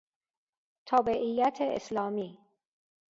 تابعیت اسلامی